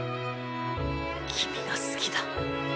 君が好きだ。